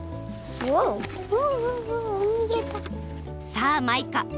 さあマイカ！